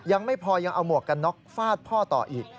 ยังไม่พอยังเอาหมวกกันน็อกฟาดพ่อต่ออีก